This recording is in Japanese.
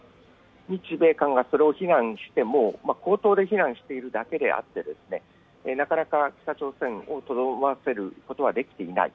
日米韓がそれを非難しても、口頭で非難しているだけであってなかなか北朝鮮をとどまらせることはできていない。